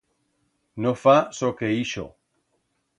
No fa soque ixo.